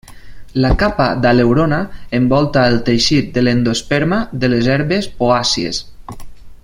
La capa d'aleurona envolta el teixit de l'endosperma de les herbes poàcies.